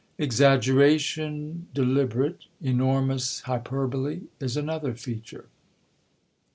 Exaggeration deliberate, enormous hyperbole is another feature.